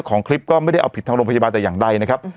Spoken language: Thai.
ของคลิปก็ไม่ได้เอาผิดทางโรงพยาบาลแต่อย่างใดนะครับ